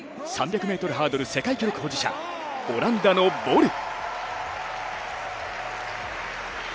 ３００ｍハードル世界記録保持者、オランダのボル。